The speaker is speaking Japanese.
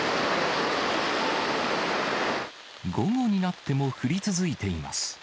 午後になっても降り続いています。